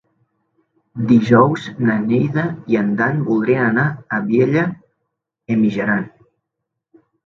Dijous na Neida i en Dan voldrien anar a Vielha e Mijaran.